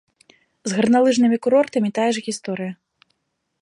З гарналыжнымі курортамі тая ж гісторыя.